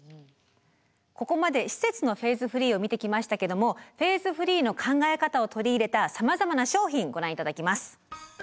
ここまで施設のフェーズフリーを見てきましたけどもフェーズフリーの考え方を取り入れたさまざまな商品ご覧頂きます。